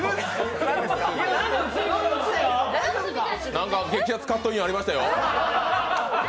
何か、激アツカットインありましたよ。